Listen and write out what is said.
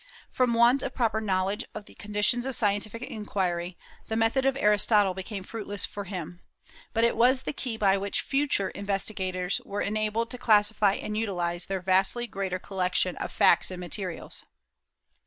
From want of proper knowledge of the conditions of scientific inquiry, the method of Aristotle became fruitless for him; but it was the key by which future investigators were enabled to classify and utilize their vastly greater collection of facts and materials.